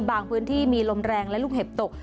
พื้นที่มีลมแรงและลูกเห็บตก